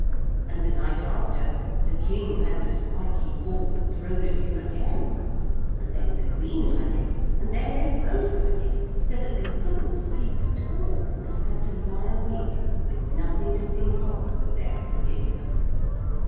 And the night after, the King had the spiky ball thrown at him again. And then the Queen had it. And then they both had it, so that they couldn't sleep at all, and had to lie awake with nothing to think of but their wickedness.